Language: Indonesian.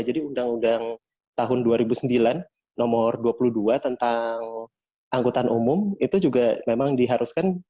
jadi undang undang tahun dua ribu sembilan nomor dua puluh dua tentang anggotaan umum itu juga memang diharuskan